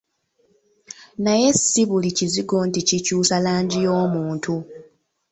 Naye si buli kizigo nti kikyusa langi y'omuntu.